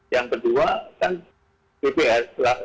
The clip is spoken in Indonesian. yang kedua kan tps telah selaku